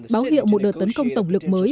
báo hiệu một đợt tấn công tổng lực mới